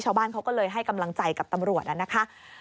ชาวบ้านเขาก็เลยให้กำลังใจกับตำรวจนะคะ